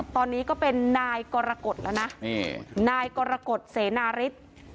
ตอนนี้ก็เป็นนายกรกฎแล้วนะนี่นายกรกฎเสนาฤทธิ์